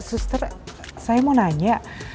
suster saya mau nanya